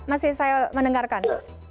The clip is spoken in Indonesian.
masih saya mendengarkan